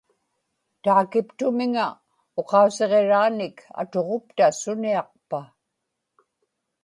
taakiptumiŋa uqausiġiraanik atuġupta suniaqpa?